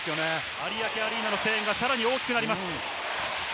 有明アリーナの声援がさらに大きくなります。